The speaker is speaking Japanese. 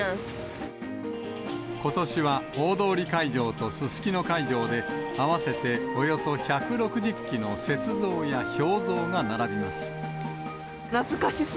ことしは大通会場とすすきの会場で、合わせておよそ１６０基の雪像や氷像が並びます。